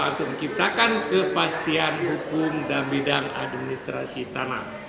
untuk menciptakan kepastian hukum dan bidang administrasi tanah